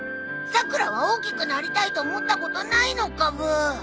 さくらは大きくなりたいと思ったことないのかブー？